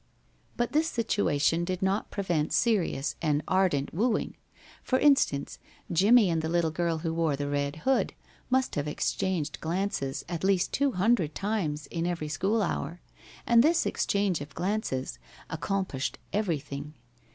But this situation did not prevent serious and ardent wooing. For instance, Jimmie and the little girl who wore the red hood must have exchanged glances at least two hundred times in every school hour, and this exchange of glances accomplished everything.